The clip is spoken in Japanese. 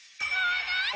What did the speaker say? あなた！